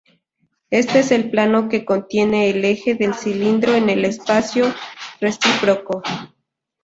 Este es el plano que contiene el eje del cilindro en el espacio recíproco.